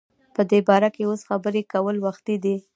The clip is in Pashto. په دی باره کی اوس خبری کول وختی دی